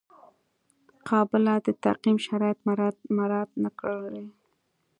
قابله د تعقیم شرایط مراعات نه کړي.